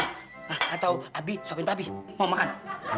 nah gak tau abi suapin papi mau makan